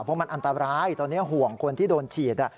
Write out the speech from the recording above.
เพราะมันอันตรายตอนนี้ห่วงคนที่โดนฉีด